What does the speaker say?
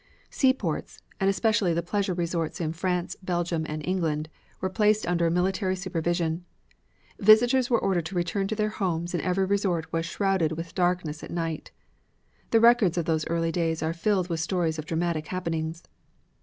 Seaports, and especially the pleasure resorts in France, Belgium and England, were placed under a military supervision. Visitors were ordered to return to their homes and every resort was shrouded with darkness at night. The records of those early days are filled with stories of dramatic happenings.